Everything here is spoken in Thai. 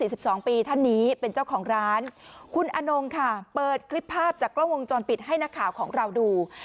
ท่านนี้เป็นเจ้าของร้านคุณอนงค่ะเปิดคลิปภาพจากกล้องวงจรปิดให้นักข่าวของเราดู